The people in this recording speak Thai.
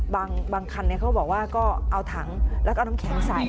บางบางครรภ์เนี้ยเขาบอกว่าก็เอาถังแล้วก็เอาน้ำแพงใส